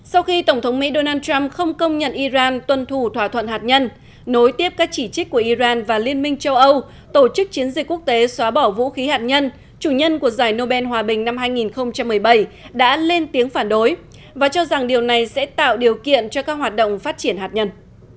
sau khi tổng thống mỹ donald trump không công nhận iran tuân thủ thỏa thuận hạt nhân nối tiếp các chỉ trích của iran và liên minh châu âu tổ chức chiến dịch quốc tế xóa bỏ vũ khí hạt nhân chủ nhân của giải nobel hòa bình năm hai nghìn một mươi bảy đã lên tiếng phản đối và cho rằng điều này sẽ tạo điều kiện cho các hoạt động phát triển hạt nhân